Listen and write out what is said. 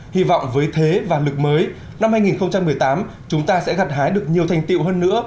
hy vọng với thế và lực mới năm hai nghìn một mươi tám chúng ta sẽ gặt hái được nhiều thành tiệu hơn nữa